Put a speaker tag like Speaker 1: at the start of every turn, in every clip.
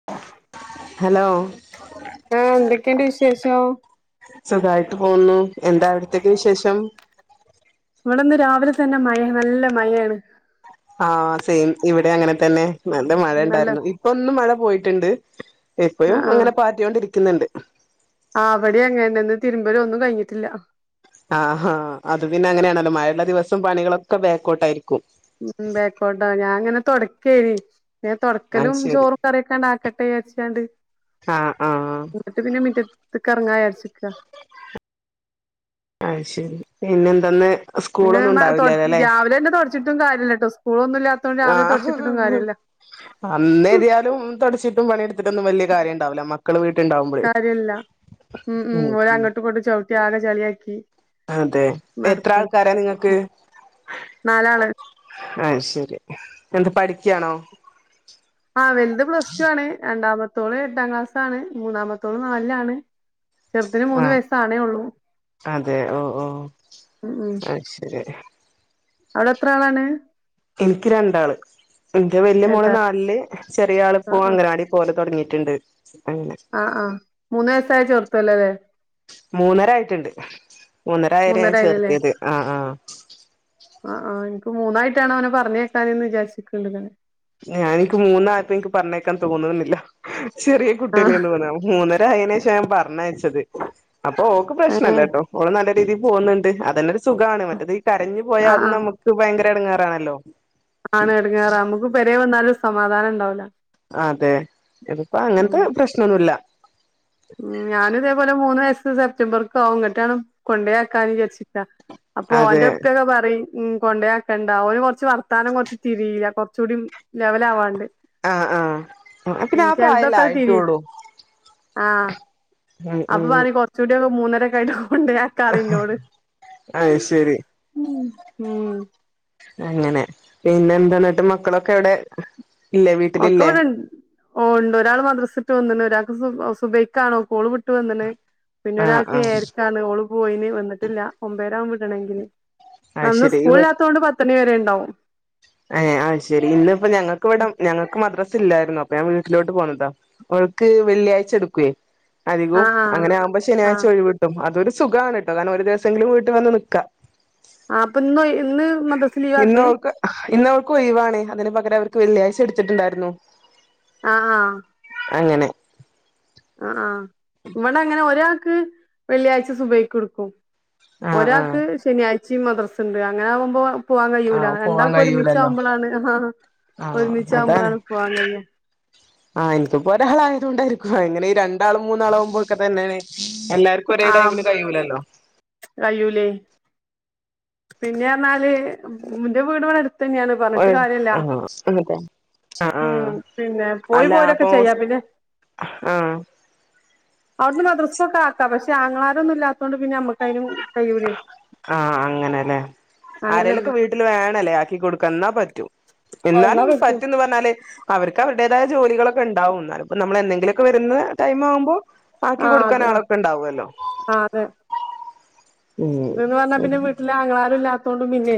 Speaker 1: [inaudible]
Speaker 2: Hello
Speaker 1: ആഎന്തൊക്കെയുണ്ട് വിശേഷം
Speaker 2: സുഖായിട്ട് പോകുന്നു എന്താ അവിടത്തേക്ക് വിശേഷം
Speaker 1: ഇവിടെന്ന് രാവിലെ തന്നെ മഴ നല്ല മഴയാണ്
Speaker 2: ആഹ് സെയിം ഇവിടെ അങ്ങനെ തന്നെ നല്ല മഴ
Speaker 1: നല്ല
Speaker 2: ഉണ്ടായിരുന്നു ഇപ്പ ഒന്നു മഴ പോയിട്ടുണ്ട് ഇപ്പഴും
Speaker 1: ആഹ്
Speaker 2: അങ്ങനെ പാറ്റിയൊ ണ്ടിരിക്കുന്നുണ്ട്
Speaker 1: ആ അവിടെ ങ്ങനെതന്നെ ന്ന് തിരുമ്പലും ഒന്നും കഴിഞ്ഞിട്ടില്ല
Speaker 2: ആഹാ അത് പിന്നെ അങ്ങനെയാണല്ലോ മഴയുള്ള ദിവസം പണികളൊക്കെ ബേക്ക്ഔട്ട് ആയിരിക്കും
Speaker 1: ഉ ബേക്കോട്ടോ ഞാൻ അങ്ങനെ തുടക്കയായിരുന്നു ഏ
Speaker 2: അത്
Speaker 1: തുടക്കലും
Speaker 2: ശരി
Speaker 1: ചോറും കറിയൊക്കെണ്ട് ആക്കട്ടെ എന്ന് വിചാരിച്ചാണ്ട്
Speaker 2: ആഹ് ആഹ്
Speaker 1: എന്നിട്ട് പിന്നെ മുറ്റത്തേക്ക് ഇറങ്ങാം എന്ന് വിചാരിച്ചിരിക്ക
Speaker 2: അയ് ശരി പിന്നെന്താന്ന്
Speaker 1: പിന്നെ രാവിലെ തന്നെ തുടച്ചിട്ടും കാര്യമില്ല കേട്ടോ സ്കൂള് ഒന്നും ഇല്ലാത്തോണ്ട് രാവിലെ തുടച്ചിട്ടും കാര്യമില്ല
Speaker 2: അന്നേരിയാലും തുടിച്ചിട്ടും പണി എടുത്തിട്ടോന്നും വലിയ കാര്യം ഉണ്ടാവില്ല മക്കള് വീട്ടുണ്ടാവുമ്പോഴേ
Speaker 1: [unintelligible] താഴെ ചളി ആക്കി
Speaker 2: അതെ എത്ര ആൾക്കാരാ നിങ്ങക്ക്
Speaker 1: നാലാള്
Speaker 2: അയ് ശരി എന്ത് പഠിക്കയാണോ
Speaker 1: ആവലുത് പ്ലസ് ടൂ ആണ് രണ്ടാമത്തോള് എട്ടാം ക്ലാസ് ആണ് മൂന്നാമത്തോള് നാലാണ് ചെറുതിന് മൂന്ന്
Speaker 2: ആഹ്
Speaker 1: വയസാണേ ഉള്ളൂ ഉ ഉ
Speaker 2: അയ് ശരി
Speaker 1: അവിടെ എത്ര ആളാണ്
Speaker 2: എനിക്ക് രണ്ടാള് എന്റെ വല്യ മോള്
Speaker 1: രണ്ടാ
Speaker 2: നാലില് ചെറിയ ആള്
Speaker 1: ആഹ്
Speaker 2: ഇപ്പോ
Speaker 1: ആഹ്
Speaker 2: അംഗനവാടി പോലെ തുടങ്ങിട്ട്ണ്ട് അങ്ങനെ
Speaker 1: ആഹ് ആഹ് മൂന്ന് വയസായ ചേർത്തല്ലല്ലേ
Speaker 2: മൂന്നരായിട്ടുണ്ട് മൂന്നര ആര ഞാൻ ചേർത്തിയത് ആആ
Speaker 1: ആഹ് ആഹ് എനിക്ക് മൂന്നായിട്ടാണ് അവനെ പറഞ്ഞേക്കാന് എന്ന് വിചാരിച്ചുക്കുണ്ട് തന്നെ
Speaker 2: ഞാൻ എനിക്ക് മൂന്ന് ആളിനെയും എനിക്ക് പറഞ്ഞേക്കാൻ തോന്നുന്നുന്നില്ല ചെറിയ
Speaker 1: ആഹ്
Speaker 2: കുട്ടിയല്ലേന്ന് തോന്നും മൂന്നും അതിന് ശേഷം പറഞ്ഞയച്ചത് അപ്പൊ ഓക്ക് പ്രശ്നല്ല
Speaker 1: ഏഹ്
Speaker 2: കേട്ടോ ഓള് നല്ല രീതിയിൽ പോകുന്നുണ്ട് അതെല്ലെ ഒരു സുഖമാണ് മറ്റേത് ഈ കരഞ്ഞു പോയാ
Speaker 1: ആഹ്
Speaker 2: അതും
Speaker 1: ആഹ്
Speaker 2: നമുക്ക് ക്ക്‌ ഭയങ്കര എടങ്ങാറാണല്ലോ
Speaker 1: ആണ് എടങ്ങേറ് നമുക്ക് പെരെ വന്നാലും സമാധാനം ഉണ്ടാവില്ല
Speaker 2: അതെ ഇതിപ്പോ അങ്ങനത്തെ പ്രശ്നൊന്നുമില്ല
Speaker 1: ഉ ഞാനും ഇതേപോലെ മൂന്ന് വയസ്സ് സെപ്റ്റംബർക്ക് ആകും ഇങ്ങോട്ടാണം കൊണ്ടേയി ആക്കാന്നുവച്ചിട്ട അപ്പൊ
Speaker 2: അതെ
Speaker 1: ഓന്റെ ഉപ്പയൊക്കെ പറയും ഉ കൊണ്ടയാക്കേണ്ട അവന് കുറച്ച് വർത്താനം കുറച്ച് തിരിയില്ല കുറച്ച കൂടി ലെവൽ ആവാൻ ഉണ്ട്
Speaker 2: ആഹ് ആഹ് ആ പിന്നെ ആ പ്രായം അല്ലേ ആയിട്ട്
Speaker 1: തിരിയും
Speaker 2: ഉള്ളു
Speaker 1: ആഹ് അപ്പൊ പറയും കൊറച്ച കൂടി ഒക്കെ മൂന്നരക്കൊയയിട്ട് കൊണ്ടോയി ആക്കാം പറയ് എന്നോട്
Speaker 2: അത് ശരി
Speaker 1: ഉം
Speaker 2: അങ്ങനെ പിന്നെ എന്താന്നിട്ട് മക്കളൊക്കെ എവിടെ ഇല്ലേ വീട്ടിലില്ലേ
Speaker 1: ഒക്കെവിടെ ഓ ണ്ട് ഒരാൾ മദ്രസ്ട്ടു വന്ന്ണ് ഒരാൾക്ക് സുഭയ്ക്കാണ് ഓള് വിട്ട് വന്ണ് പിന്ന
Speaker 2: ആഹ്
Speaker 1: ഒരാൾക്ക്
Speaker 2: ആഹ്
Speaker 1: ഏയരക്കാണ് ഓള് പോയിന് വന്നിട്ടില്ല ഒമ്പേരാകും വിടണെങ്കില്
Speaker 2: അത്
Speaker 1: അന്ന്
Speaker 2: ശരി ഇവ
Speaker 1: സ്കൂളിലാതോണ്ട് പത്തണി വരെ ഉണ്ടാവും
Speaker 2: ഏ ആഹ് ശരി ഇന്ന് ഇപ്പ ഞങ്ങൾക്ക് ഇവിടെ ഞങ്ങൾക്ക് മദ്രസ ഇല്ലായിരുന്നു അപ്പൊ ഞാൻ വീട്ടിലോട്ട് പോന്ട്ടാ ഓൾക്ക് വെള്ളിയാഴ്ച എടുക്കെ അധികും
Speaker 1: ആഹ് ആഹ്
Speaker 2: അങ്ങനെ ആവുമ്പോ ശനിയാഴ്ച
Speaker 1: ആഹ്
Speaker 2: ഒഴിവിട്ടും അതൊരു സുഖമാണ് കട്ടോ കാരണം ഒരു ദിവസങ്കിലും വീട്ടില് വന്ന് നിക്കാ
Speaker 1: ആ അപ്പൊ ഇന്ന് ഇന്ന് മദറസ്സ് ലീവ്
Speaker 2: ഇന്ന്
Speaker 1: ആക്കെ
Speaker 2: അവൾക്ക് ഇന്ന് അവർക്ക് ഒയിവാണ് അതിന് പകരം അവർക്ക് വെള്ളിയാഴ്ച എടുത്തിട്ടുണ്ടായിരുന്നു
Speaker 1: ആഹ്
Speaker 2: അങ്ങനെ
Speaker 1: ആ ആഹ് ഇവിടെ അങ്ങനെ ഒരാക്ക് വെള്ളിയാഴ്ച സുബഹിക്ക് ഇടിക്കും
Speaker 2: ആഹ് ആഹ്
Speaker 1: ഒരാക്ക് ശനിയാഴ്ച്ചിം മദ്രസ ഇണ്ട് അങ്ങനെ ആവുമ്പോ പോവാൻ കയ്യൂല
Speaker 2: ആഹ് പോവാൻ
Speaker 1: രണ്ടാക്കു ഒരുമിച്ച
Speaker 2: കഴിയൂലല്ലോ
Speaker 1: ആവുമ്പോളാണ് അഹ്
Speaker 2: ആഹ് അതാണ്
Speaker 1: ഒരുമിച്ചാവുമ്പോളാണ് പോവാൻ കയ്യ [inaudible]
Speaker 2: ആഹ് ഇൻക്ക്പ്പോ ഒരാളായതോണ്ടായിരിക്കും അങ്ങനെ രണ്ടാളും മൂന്നാളാവുമ്പോളോക്കെതന്നെണ് എല്ലാർക്കും ഒക്കെ ഒരേടൈമില് കയ്യൂലല്ലോ
Speaker 1: കയ്യൂലേ പിന്നെ പറഞ്ഞാല് ഉം മുന്റെ വീട് ഇവ്‌ടെ അടുത്തന്നെയാണ് പറഞ്ഞിട്ട്
Speaker 2: ആഹ്
Speaker 1: കാര്യല്ല
Speaker 2: അതെ ആഹ്
Speaker 1: ഉം
Speaker 2: ആഹ്
Speaker 1: പിന്നെ പോയി
Speaker 2: അല്ല
Speaker 1: പോരൊക്കെ
Speaker 2: അപ്പൊ
Speaker 1: ചെയ്യാ പിന്നെ
Speaker 2: ആഹ്
Speaker 1: അവിടുന്ന് മദ്രസ്‌കൊക്കെ ആക്ക പക്ഷെ ആങ്ങളാരൊന്നും ഇല്ലാതോണ്ട് പിന്നെ നമ്മക്കായിനും
Speaker 2: ആഹ് അങ്ങനെല്ലേ
Speaker 1: അങ്ങനെണ്ട്
Speaker 2: അരലൊക്കെ വീട്ടില് വേണല്ലേ ആക്കി കൊടുക്കാന് ന്നാ പറ്റൂ
Speaker 1: എന്നാ
Speaker 2: ന്നാലും
Speaker 1: പറ്റും
Speaker 2: പറ്റന്ന് പറഞ്ഞാല് അവർക്ക് അവരുടേതായ ജോലികളൊക്കെ ഇണ്ടാവും എന്നാലും ഇപ്പൊ നമ്മൾ എന്നെങ്കിലുമൊക്കെ വരുന്ന ടൈം ആവുമ്പോ ആക്കി
Speaker 1: ആഹ്
Speaker 2: കൊടുക്കാന്
Speaker 1: അതെ
Speaker 2: ആളൊക്കെ ഉണ്ടാവല്ലോ
Speaker 1: ആഹ് അതെ
Speaker 2: ഉം
Speaker 1: ഇതിന്ന് വന്നാ പിന്നെ
Speaker 2: ശരി
Speaker 1: വീട്ടില് ആങ്ങളാരും ഇല്ലാത്തോണ്ടു പിന്നെ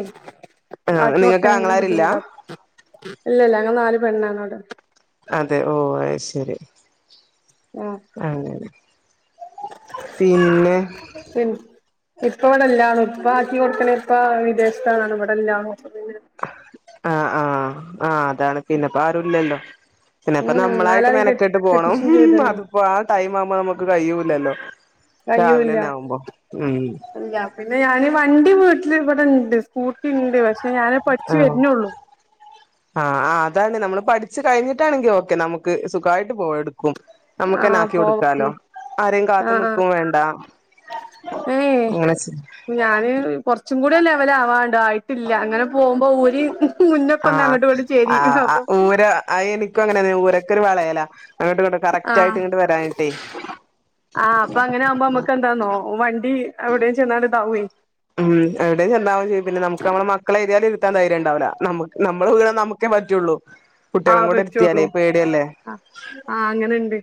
Speaker 2: ആഹ്
Speaker 1: ആക്കി
Speaker 2: നിങ്ങൾക്ക്
Speaker 1: കൊടുക്കാനെങ്കിലും
Speaker 2: ആങ്ങളാരില്ല
Speaker 1: ബുദ്ധിമുട്ടാ ഇല്ല ഇല്ല നമ്മള് നാല് പെണ്ണ അവ്ടെ
Speaker 2: അതെ ഓ ആയിശേരി
Speaker 1: ആഹ്
Speaker 2: അങ്ങനെ പിന്നെ
Speaker 1: പി ഇപ്പ ഇവിടെല്ലാണും ഇപ്പ ആക്കി കൊടുക്കണ ഇപ്പ വിദേശത്താാണ് ഇവിടെല്ലനും
Speaker 2: ആഹ് ആ ആ അതാണ് പിന്നെപ്പ ആരുല്ലല്ലോ പിന്നെപ്പൊ
Speaker 1: ഉം
Speaker 2: നമ്മളായിട്ട്
Speaker 1: നാലാളീം കെ
Speaker 2: മെനക്കെട്ട് പോണം
Speaker 1: കെട്ടിച്ചും ചെയ്ത്ണ്
Speaker 2: അതിപ്പോ ആ ടൈം ആവുമ്പോ നമുക്ക് കയൂല്ലല്ലോ
Speaker 1: കയ്യൂല്ല അല്ല പിന്നെ ഞൻ വണ്ടി വീട്ടില് ഇവിടെണ്ട് സ്കൂട്ടി ഇണ്ട് പക്ഷെ ഞാനത് പഠിച്ചു
Speaker 2: ആഹ്
Speaker 1: വരുനൊള്ളൂ
Speaker 2: ആഹ് ആ അതാണെ നമ്മള് പഠിച്ച് കഴിഞ്ഞിട്ടാണെങ്കിൽ ഓക്കെ നമുക്ക് സുഗായിട്ട് പോയട ക്കും നമുക്കന്നെ
Speaker 1: ആഹ്
Speaker 2: ആക്കി കൊടുക്കാലോ
Speaker 1: പോവും
Speaker 2: ആരേം കാത്
Speaker 1: ആഹ്
Speaker 2: നിക്കും വേണ്ട [inaudible]
Speaker 1: ആഹ് ഏയ് ഞാന് കുറച്ചും കൂടി ലെവലാണ്ട് ആയിട്ടില്ല അങ്ങനെ പോ പോകുമ്പോ ഉരിം മുന്നൊക്കെ അങ്ങോട്ട് ഇങ്ങോട്ടും ചേരി അപ്പൊ
Speaker 2: അ എനിക്കും അങ്ങനെ ഊരക്കൊരു വളയലാ അങ്ങോട്ട് ഇങ്ങട്ട് കറക്റ്റ് ആയിട്ട്
Speaker 1: ആഹ്
Speaker 2: ഇങ്ങട്ട് വരാനിട്ടേ
Speaker 1: ആഹ് അപ്പൊ അങ്ങനെ ആകുമ്പോ നമ്മക്ക് എന്താന്നോ വണ്ടി എവിടെയും ചെന്ന് ഇതാവേ
Speaker 2: ഉം എവിടെയും ചണ്ടാവാൻ ചെയ്യും പിന്നെ നമ നമ്മളെ ഏതായാലും ഇര്ത്തൻ ധൈര്യം ഇണ്ടാവുല്ല നമ്മ നമ്മള് വീണ നമക്കേ പറ്റള്ളൂ
Speaker 1: [inaudible]
Speaker 2: കുട്ടികള കൂടെ ഇര്ത്തിയാലെ
Speaker 1: പറ്റുള്ളൂ
Speaker 2: പേടിയാ
Speaker 1: ആ ആഹ് അങ്ങനെണ്ട്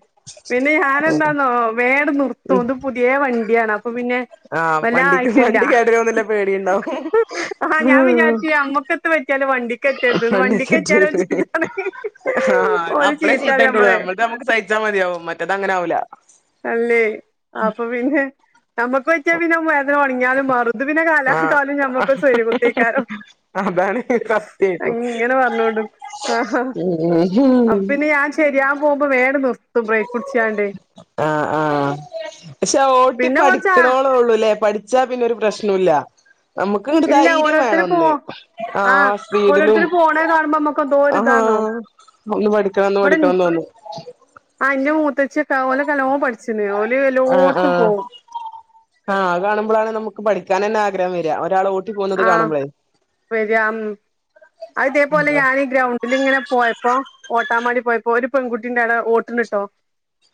Speaker 1: പിന്നെ
Speaker 2: ഉം
Speaker 1: ഞാനന്തന്നോ വെങ്ങാട്ട് നിർത്തും തോന്നും പുതിയ വണ്ടിയാണ് അപ്പൊ പിന്നെ
Speaker 2: ആഹ്
Speaker 1: വല്ലാ
Speaker 2: വണ്ടിക്ക്
Speaker 1: ആയിട്ടില്ല
Speaker 2: വണ്ടി കേടരോന്നുള്ള
Speaker 1: ആഹ് ഞാൻ
Speaker 2: പേടിയുണ്ടാവും
Speaker 1: വിചാര്ച്ച് നമ്മക്കൊ പറ്റിയാലും വണ്ടിക്ക് പറ്റാരുത്തുന്ന്
Speaker 2: പണ്ട്
Speaker 1: വണ്ടിക്ക്ച്ചാല
Speaker 2: വെച്ചിട്ടുണ്ട്
Speaker 1: ഓര് ചീത്തറയും നമ്മളെ
Speaker 2: ഇത് നമ്മക്ക് സഹിച്ചാ മതിയാവും മറ്റേത് അങ്ങനെ ആവുല്ല
Speaker 1: അല്ലേ അപ്പൊ പിന്നെ നമ്മുക്ക് പറ്റിയ പിന്നെ ഉണങ്ങാലും മറുതു ഇത് പിന്നെ
Speaker 2: ആഹ്
Speaker 1: കാലക്കാലും നമ്മക്ക് സ്വര്ം സൗര്യാ കുത്തെക്കാരം
Speaker 2: അതാണ് സത്യായിട്ടും
Speaker 1: അങ്ങനെ പറഞ്ഞോടുക്കും ആ അ
Speaker 2: ഉം
Speaker 1: പിന്നെ ഞാൻ ചെറിയാൻ പോകുമ്പോ വെങ്ങാട്ട് നിർത്തും ബ്രേക്ക് പുടിച്ചാണ്ട്
Speaker 2: ആഹ് ആഹ് പക്ഷെ ഓട്ടി
Speaker 1: പിന്നെ കൊറച്ച് ആ
Speaker 2: പഠിക്കുണോള്ളൂല്ലേ പഠ ച്ച, പിന്നെ ഒരു പ്രശ്ണോല്ല നമുക്കങ്ട്ട് ഇ
Speaker 1: ഇല്ല
Speaker 2: ധൈര്യം വേണം
Speaker 1: ഓരോരുത്തര് പോ
Speaker 2: ഒന്ന് ആഹ് സ്പീഡിലും
Speaker 1: ഓരോരുത്തര് പോണേ കാണുമ്പോ നമ്മുക്ക് എന്തോ ഒരു
Speaker 2: ആഹാ
Speaker 1: ഇതാന്നോ
Speaker 2: ഒന്ന് പഠിക്കന്ന്
Speaker 1: ഇവിടെ
Speaker 2: പഠിക്കാന്ന് വന്ന്ു
Speaker 1: ആഹ് അന്റെ മൂത്തച് ഓല കലോ പഠിച്ചിന്ന്
Speaker 2: ആഹ് ആഹ് ആഹ് അത് കാണുമ്പോഴാണ് നമുക്ക് പഠിക്കാൻ തന്നെ ആഗ്രഹം വര ഒരാൾ പോകുന്നത്
Speaker 1: ആഹ്
Speaker 2: കാണുമ്പളേ
Speaker 1: വരിയാ അയിതേപോലെ ഞാനീ ഗ്രൗണ്ട് ഇല ഇങ്ങനെ പോയപ്പോ ഓട്ടാമാടി പോയപ്പോ ഒരു പെൺകുട്ടിന്റെ അട ഓട്ടിന്ന്ിട്ടോ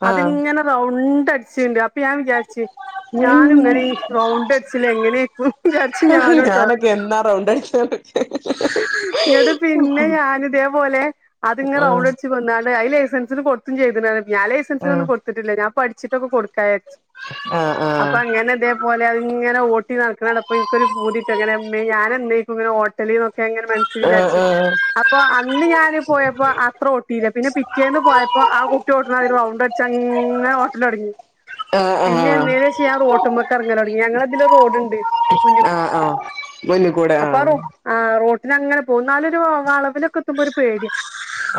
Speaker 2: ആഹ്
Speaker 1: അതിങ്ങനെ റൗണ്ടടിച്ചുണ്ട് അപ്പൊ ഞാൻ വിചാരിച്ചു
Speaker 2: ഉം
Speaker 1: ഞാനും ഇങ്ങനെ റൗണ്ടടിച്ചൽ എങ്ങനെയക്കുംന്ന് വിചാരിച്ച ഞൻ ട്ടോ
Speaker 2: ഞാനൊക്കെ എന്നാ റൗണ്ട് അടിച്ചത്
Speaker 1: ഇങ്ങട്ട് പിന്നെ ഞാന ഇതേപോലെ അത്ങ്ങെ
Speaker 2: ആഹ്
Speaker 1: റൗണ്ട് അടിച്ച് പോന്നാാണ് ലൈസൻ കൊടുത്തും ചെയ്തന് ഞാൻ
Speaker 2: ആഹ്
Speaker 1: ലൈസൻസിനന്നും കൊടുത്തിട്ടില്ല ഞാ പഠിച്ചിട്ടൊക്ക കൊടുക്കച്ച
Speaker 2: ആഹ്
Speaker 1: അപ്പൊ
Speaker 2: ആഹ്
Speaker 1: അങ്ങനെ ഇതേപോലെ അത് ഇങ്ങനെ ഓട്ടി നടക്കണണ്ടപ്പൊ ഇനിക്കൊരു പൂതി മ്മേ ഞാൻ എ ഇപ്പ ഇങ്ങനെ ഓട്ടലിനൊക്കെനെ
Speaker 2: ആഹ് ആഹ്
Speaker 1: അപ്പൊ അന്ന് ഞാന് പോയപ്പോ അത്ര ഓട്ടിയില്ല പിന്നെ പിറ്റേന്ന് പോയപ്പോ ആ കുട്ടി ഓട്ട ഒരു റൗണ്ട് ചെന്ന ഓട്ടലൊടങ്ങി
Speaker 2: ആഹ് ആഹ്
Speaker 1: പിന്നെ എന്തേ ചെയ്യാൻ റോട്ടുമ്മൊക്കെ ഇറങ്ങലൊടങ്ങി ഞങ്ങ അതില് റോഡ്ണ്ട്
Speaker 2: അഹ് അഹ് വന്നു
Speaker 1: അപ്പൊ റ റോട്ടിനങ്ങനെ പോകുന്നാലരു വളവിലൊക്കെ എത്തുമ്പോ ഒരു പേടിയ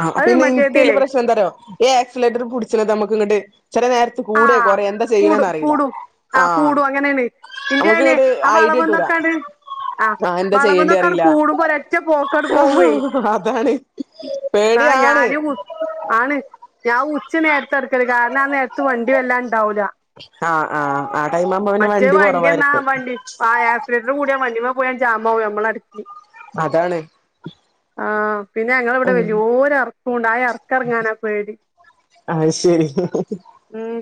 Speaker 2: ആഹ് പിന്നെ ഇൻക്ക് പ്രശ്നംന്താറോ ഏ ആക്സിലേറ്റർ പിടിച്ചണത് നമക്ക് ഇങ്ങട്ട് ചെല നേ കൂടെ
Speaker 1: ആഹ്
Speaker 2: കൊറെേ എന്താ
Speaker 1: കൂടും
Speaker 2: ചെയ്യലന്ന്റിയില്ല
Speaker 1: കൂടും
Speaker 2: ആഹ്
Speaker 1: കൂടും അങ്ങനേണ് ഇന്റെ
Speaker 2: നമുക്ക്
Speaker 1: അതെന്നെ
Speaker 2: ഇട്
Speaker 1: ആ
Speaker 2: ഐഡിയട്ടൂല
Speaker 1: വളവ്ന്നൊക്കാണ്ട്
Speaker 2: ആഹ് എന്താ ചെയ്യേണ്ടി
Speaker 1: വളവ്ന്നൊക്കാണ്ട്
Speaker 2: അറിയില്ല
Speaker 1: കൂടുമ്പോ ഒരൊറ്റ പോക്കാണ്ട് പോവേ
Speaker 2: ആഹ് അതാണ്
Speaker 1: ആഹ്
Speaker 2: പേടിയാണ്
Speaker 1: ഞാന് ആണ് ഞാൻ ഉച്ച നേ തർക്കല് കാരണം ആ നേരത്ത് വണ്ടിയും വല്ലാംണ്ടാവൂല
Speaker 2: ആഹ് ആഹ് ആ ടൈം ആമ്പപിന്നെ വണ്ടി
Speaker 1: വണ്ടിന്നാ
Speaker 2: കുറവായിരിക്ക
Speaker 1: വണ്ടി ആ സ്രിലേറ്റർ കൂടിയ വണ്ടി പോയാൻ ജാമാവും മ്മളടക്കി
Speaker 2: അതാണ്
Speaker 1: ആഹ് പിന്നെ ഞങ്ങളിവിടെ
Speaker 2: ഉം
Speaker 1: വലിയോര ഇറക്കുംണ്ട് ആഹ് ഇറക്കറങ്ങാനാ പേടി
Speaker 2: അയ്ശരി
Speaker 1: ഉം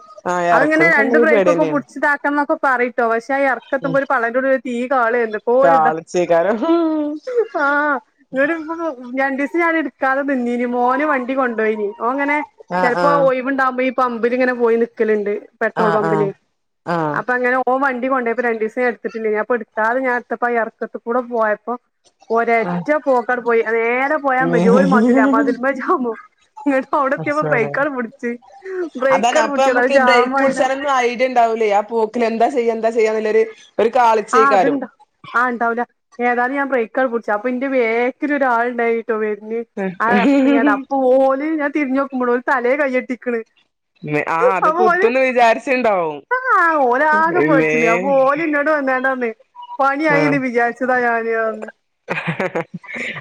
Speaker 1: അത്ങ്ങനെ രണ്ട് ബ്രേക്കൊക്കെ
Speaker 2: തന്നെയാണ്
Speaker 1: പിടിച്ചിട്ടാക്കണം എന്നൊക്കെ പറയിട്ട ട്ടോ പക്ഷേയി അർക്കെത്തുമ ഒരു പളയോ തീ കാളേ എന്തക്കര് ഇദ
Speaker 2: കാളിച്ചേക്കാരം
Speaker 1: ആഹ് ന്നട്ട് ഇപ്പ രണ്ടു ദിവസം ഞാൻ എടുക്കാതെ നിന്നിന് മോന് വണ്ടി കൊണ്ടൊയിന് ഓൻങ്ങനെ
Speaker 2: ആ ആ
Speaker 1: ചിലപ്പോ ഒയ് വുണ്ടാവുമ്പോ ഈ പമ്പിൽങ്ങനെ പോയി നിക്കലുണ്ട്
Speaker 2: ആ
Speaker 1: പെട്രോൾ
Speaker 2: ആ
Speaker 1: പമ്പില്
Speaker 2: ആ
Speaker 1: അപ്പൊ അങ്ങനെ ഓൻ വണ്ടി കൊണ്ട പോയപ്പോ രണ്ട് ദിവസംഞ എടുത്തിട്ടില്ല ഞാ അപ്പ ഞൻ ഇടക്കാതെ ഞാൻടുത്തപ്പ ഇറക്കത്തി കൂടെ പോയപ്പോ ഒരറ്റ പോക്കണ്ട് പോയി നേരെ പോയാൻണ്ടി പജാമോ ഇങ്ങട്ട് അവിടെ എത്തിയപ്പോ ബ്രേക്കാർ പിടിച്ചു ബ്രേക്കാർ പിടിച്ച അയ്ൽ ജാമയില
Speaker 2: ണ്ടാവൂലൈ ആ പോക്കിലെ ന്താ ചെയ്യാ എന്താ ചെയ്യാ ന്ന്ല്ലൊര്
Speaker 1: ആഹ് അത്ണ്ടോ ആഹ് ണ്ടാവൂല ഏതായാലും ഞാം ബ്രേക്കങ്ങട്ട് പുടിച്ചു അപ്പന്റെ ബേക്കിലൊരാള് ണ്ടയ്ന്നുട്ടൊ വെര്ണ് അ [unintelligible]
Speaker 2: കാളിച്ചേക്കാരും
Speaker 1: അപ്പ ഓല് ഞാൻ തിരിഞ്ഞോക്കുമ്പോ തലേൽ കയ്യെട്ടി നിക്കണ്
Speaker 2: ആ അത്
Speaker 1: അപ്പ ഓല്
Speaker 2: കുത്തുന്ന് വിചാരിച്ചിണ്ടാവും
Speaker 1: ആഹ് ഓലാകെ
Speaker 2: മേ
Speaker 1: പേടിച്ച്ന് അപ്പൊ ഓല് വന്ന് ങ്ങാണ്ട് പറഞ്ഞുയ് പണ്യായീന്ന് വിചാരിച്ചതാ ഞാന് റഞ്ഞു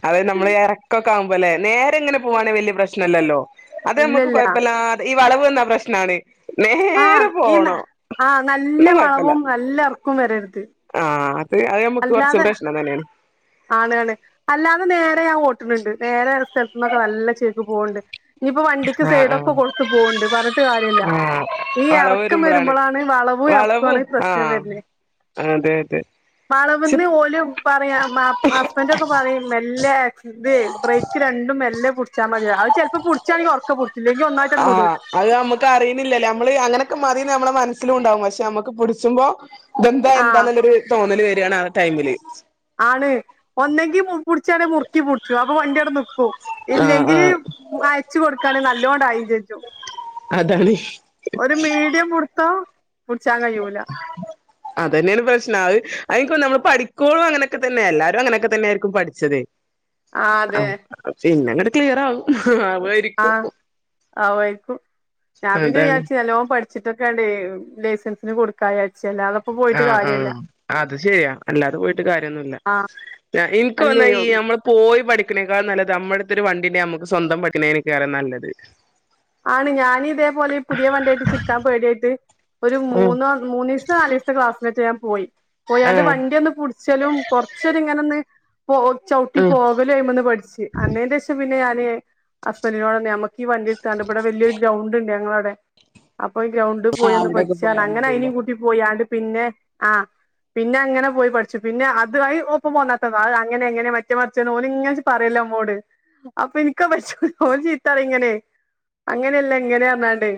Speaker 2: അതായത് നമ്മള് എറക്കൊക്കെ ആകുമ്പോ ലെ നേരെ ങ്ങനെ പോവാണെ വല്ല്യേ പ്രശ്നല്ലല്ലോ അത് നമ്മക്ക്
Speaker 1: അല്ലല്ല
Speaker 2: കൊഴപ്പല്ലാതെ ഈ വളവ് വന്നാ പ്രശ്നാണ്
Speaker 1: ആഹ്
Speaker 2: നേരെ
Speaker 1: ഈ ന
Speaker 2: പോണം
Speaker 1: ആഹ് നല്ല
Speaker 2: എന്നാ
Speaker 1: വളവും നല്ല എർക്കും വരര്ത്
Speaker 2: ആഹ് അത് അത് ഞമ്മക്ക് കൊർച്ച് പ്രശ്നം തന്നേണ്.
Speaker 1: ആണ് ആണ് അല്ലാതെ നേരെ ഞാം ഓട്ട്ണ് ണ്ട്. നേരെള്ള സ്ഥലത്ത് നന്നൊക്കെ നല്ല ചേൽക്ക് പോണ് ണ്ട്. ഞ്ഞിപ്പോ വണ്ടിക്ക്
Speaker 2: ആ
Speaker 1: സൈഡൊക്കെ
Speaker 2: ആ
Speaker 1: കൊട്ത്ത് പോണ് ണ്ട് പർഞ്ഞ്ട്ട് കാര്യല്ല.
Speaker 2: ആ
Speaker 1: ഈ
Speaker 2: വളവ്
Speaker 1: എറക്കം
Speaker 2: വരുമ്പളാണ്
Speaker 1: വര്മ്പളാണ് വളവും എറക്കാണ് പ്രശ്നം വെര്ന്നെ
Speaker 2: അതെ അതെ പക്ഷെ
Speaker 1: വളവ്ന്ന് ഓല് പറയും മാ ഹസ്ബന്റൊക്കെ പറയും മെല്ലെ ആക് ഇതേ ബ്രേക്ക് രണ്ടും മല്ലെ പുടിച്ചാൽ മതി അത് ചെലപ്പൊ പുടിച്ചാണെങ്കിൽ ഒറക്കെ പുടിച്ചും ഇല്ലെങ്കി ഒന്നായി
Speaker 2: ആഹ് അത് അമ്മക്ക് അറീണില്ലല്ലൊ അ മ്മള് അങ്ങനൊക്കെ മതിന്ന് അ മ്മളെ മനസ്സിലുണ്ടാവും പക്ഷെ നമ്മക്ക് പുടിച്ചുമ്പൊ ഇതെന്താ
Speaker 1: ആഹ്
Speaker 2: എന്താന്നുള്ളൊര് തോന്നല് വരാണ് ആ ടൈമില്
Speaker 1: ആണ് ഒന്നെങ്കി പുടിച്ചാണെങ്കി മുർക്കി പുടിച്ചും അപ്പ വണ്ട്യവടെ നി ക്കും
Speaker 2: ആഹ്
Speaker 1: ഇല്ലെങ്കിൽ
Speaker 2: ആഹ്
Speaker 1: അയച്ചു കൊട്ക്കാണെങ്കി നല്ലോം അയീം ചെച്ചും
Speaker 2: അതാണ്
Speaker 1: ഇ മുടുത്ത മുടിച്ചാ കയൂല
Speaker 2: അതന്ന്യാണ് പ്രശ്നം ത് അത് ഇനിക്ക് തൊന്ന്ണ് നമ്മള് പഠിക്കോളും അങ്ങനൊക്കെ തന്നെ യാ എല്ലാവരും അങ്ങനെക്കെ തന്നെയായിരിക്കും പഠിച്ചത്
Speaker 1: ആഹ് അതെ
Speaker 2: ആഹ് പിന്നങ്ങട്ട് ക്ലിയറാവും ആവുവായി
Speaker 1: ആഹ് ആവായിര്ക്കും ഞാം പിന്നെ
Speaker 2: അതാണ്
Speaker 1: വിചാരിച്ചു നല്ലോം പഠി ച്ച് ട്ടൊക്കേണ്ടേയ് ലൈസൻസിന് കൊട് ക്കാ വിചാരിച്ചു അല്ലാതെ പ്പൊ പോ
Speaker 2: ആഹ് ആഹ് അത് ശെരിയാ അല്ലാതെ പോയിട്ട് കാര്യൊന്നുല്ല.
Speaker 1: ആ
Speaker 2: ഇൻക്ക് തോന്നാ
Speaker 1: അല്ലയോ
Speaker 2: ഈ ഞമ്മള് പ് പോയി പഠിക്ക്ണേക്കാൾ നല്ലത് അ മ്മട്ത്തൊര് വണ്ടിണ്ടെങ്കി അമ്മക്ക് സ്വന്തം പക്കിണേകാരം നല്ലത്.
Speaker 1: ആണ് ഞാനിതേപോലെ പുത്യേ വണ്ട്യായ്ട്ട് ച്ച്ട്ക്കാം പേട്യായ്ട്ട് ഒരു
Speaker 2: ഉം
Speaker 1: മൂന്നോ മൂന്നീസോ നാലീസോ ത്തെ ക്ലാസ്സിനേറ്റെ ഞാം പോയി പോയാണ്ട്
Speaker 2: ആഹ്
Speaker 1: വണ്ടി ഒന്ന് പുടിച്ചലും കൊർച്ചൊര് ഇങ്ങനൊന്ന് പോ ചൗട്ടി
Speaker 2: ആ
Speaker 1: പോകലും ഐമന്ന് പഠിച്ച് ആയിനെന്റെശം പിന്നെ ഞാന് ഹസ്ബന്റിനോടെന്നെ നമ്മക്കീ വണ്ടി ത്താണ്ട് ഇവടെ വല്ല്യോര് ഗ്രൗണ്ട്ണ്ട് ഞങ്ങളവ്ടെ അപ്പ ഈ ഗ്രൗണ്ട് പോയി ഒന്ന്
Speaker 2: അവിടെയൊക്കെ
Speaker 1: പഠിച്ചാ
Speaker 2: പോയാ
Speaker 1: പർഞ്ഞ് അങ്ങനെ
Speaker 2: മതിയല്ലോ
Speaker 1: ഐനീം കൂട്ടി പോയ് ആണ്ട് പിന്നെ ആഹ് പിന്നെ അങ്ങനെ പോയി പഠിച്ചു പിന്നെ അത് ഒപ്പം പോന്നാ എത്താനോ അത് അങ്ങനെ ഇങ്ങനെ മറ്റേ മറിചേന്ന് ഓല് ങ്ങനെ പറേലോ മ്മോട് അപ്പ ഇൻക്ക പറ്റൂല ഓല് ചീത്തറി ങ്ങനെ അങ്ങനല്ല ങ്ങനെർഞ്ഞാണ്ട്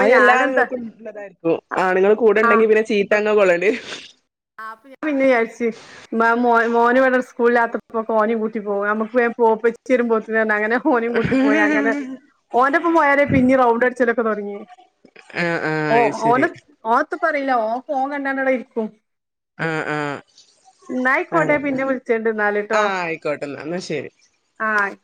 Speaker 2: അതെല്ലാ ആണ്ങ്ങക്കും ള്ളതായിര്ന്നു ആണ്ങ്ങള് കൂടെ
Speaker 1: ആ
Speaker 2: ണ്ടെങ്കി പിന്നെ ചീത്ത ങ്ങനെ കൊള്ളണ്ട്യേരും
Speaker 1: അപ്പ ഞാം പിന്നെ വിചാരിച്ച് മ മോ മോന് വടെ സ്കൂളില്ലാത്തപ്പൊ ഓനീം കൂട്ടി പോകും നമുക്ക് വേം പോവാ ഇപ്പച്ചി വര്മ്പോത്തിന് പർഞ്ങ്ങാണ്ട് അങ്ങനെ ഓനേം കൂട്ടി പോയി അങ്ങനെ
Speaker 2: വരും
Speaker 1: ഓന്റെപ്പം പോയാരേ പിന്നീം റൌണ്ടടിച്ചലൊക്കെ തൊടങ്ങ്യേ
Speaker 2: ആ ആ
Speaker 1: ഓ
Speaker 2: അത് ശരി
Speaker 1: ഓനെ ഓനെത്തും പറീല ഓൻ ഫോൻ കണ്ടാണ്ടവ്ടെ ഇരിക്കും
Speaker 2: ആഹ് ആഹ്
Speaker 1: ന്നാ ആയിക്കോട്ടെ പിന്നെ വ്ൾച്ചണ്ട്
Speaker 2: ആ
Speaker 1: ന്നാല്ട്ടോ
Speaker 2: ആയിക്കോട്ടെന്നാ എന്നാ എന്നാ ശരി
Speaker 1: ആഹ്